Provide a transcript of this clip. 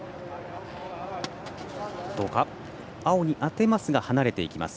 青に当てますが離れていきます。